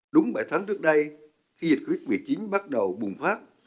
đúng bảy tháng trước đây khi dịch covid một mươi chín bắt đầu bùng phát